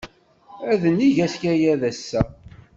Ad neg akayad ass-a.